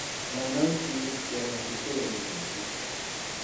Nana o timme dikerese tse robedi.